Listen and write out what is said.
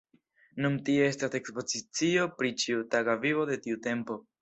Nun tie estas ekspozicio pri ĉiutaga vivo de tiu tempo.